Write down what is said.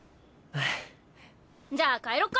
じゃあ帰ろっか！